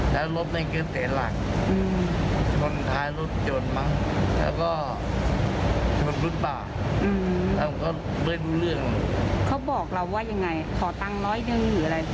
เขาบอกเราว่ายังไงขอตั้งร้อยเรื่องนี้หรืออะไร